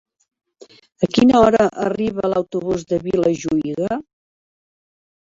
A quina hora arriba l'autobús de Vilajuïga?